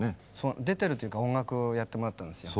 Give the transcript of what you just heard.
出てるというか音楽をやってもらったんですよ。